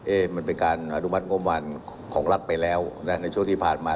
เอ๊ะมันเป็นการอดุมัติโง่มหวานของรัฐไปแล้วในช่วงที่ผ่านมา